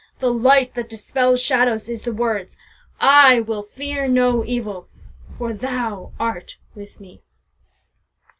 The light that dispels shadows is the words, I will fear no evil, for Thou art with me."